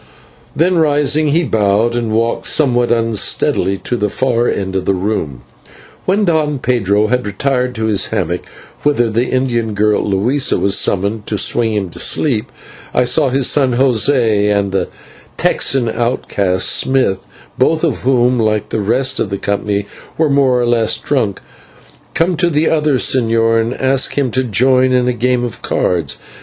Then rising, he bowed and walked somewhat unsteadily to the far end of the room. When Don Pedro had retired to his hammock, whither the Indian girl, Luisa, was summoned to swing him to sleep, I saw his son José and the Texan outcast, Smith, both of whom, like the rest of the company, were more or less drunk, come to the señor and ask him to join in a game of cards.